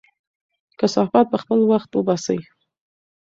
کثافات په خپل وخت وباسئ.